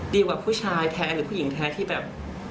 กว่าผู้ชายแท้หรือผู้หญิงแท้ที่แบบ